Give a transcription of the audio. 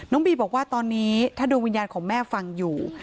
บีบอกว่าตอนนี้ถ้าดวงวิญญาณของแม่ฟังอยู่